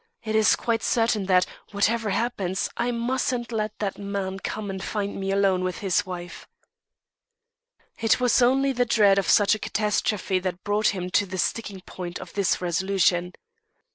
It is quite certain that, whatever happens, I mustn't let that man come and find me alone with his wife." It was only the dread of such a catastrophe that brought him to the "sticking point" of his resolution.